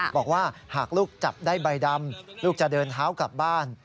บอกว่าหากลูกจับได้ใบดำลูกจะเดินเท้ากลับบ้าน